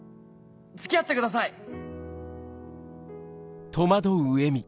付き合ってください！